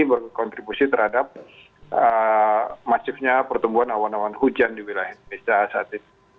berkontribusi terhadap masifnya pertumbuhan awan awan hujan di wilayah indonesia saat ini